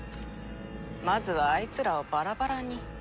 まずはあいつらをバラバラに。